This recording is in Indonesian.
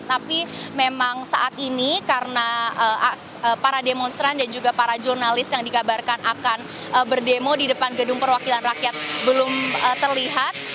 tapi memang saat ini karena para demonstran dan juga para jurnalis yang dikabarkan akan berdemo di depan gedung perwakilan rakyat belum terlihat